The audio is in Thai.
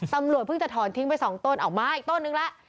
ตำรวจเพิ่งจะถอนทิ้งไป๒ต้นเอามาอีกต้นนึงแล้ว